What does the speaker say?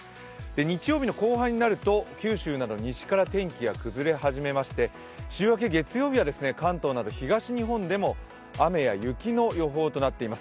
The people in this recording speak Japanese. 日曜日の後半になると九州など西から天気が崩れ始めまして週明け月曜日は関東など東日本でも雨や雪の予報となっています。